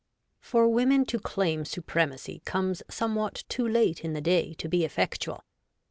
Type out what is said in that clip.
' For women to claim supremacy comes somewhat too late in the day to be effectual.